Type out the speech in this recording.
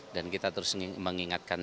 dan kita terus mengingatkan